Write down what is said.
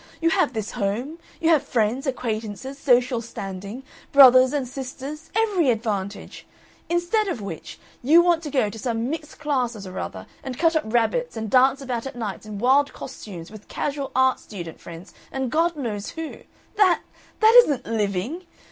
You have this home. You have friends, acquaintances, social standing, brothers and sisters, every advantage! Instead of which, you want to go to some mixed classes or other and cut up rabbits and dance about at nights in wild costumes with casual art student friends and God knows who. That that isn't living!